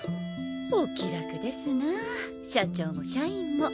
お気楽ですなぁ社長も社員も。